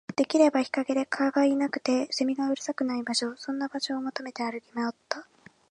できれば日陰で、蚊がいなくて、蝉がうるさくない場所、そんな場所を求めて歩き回った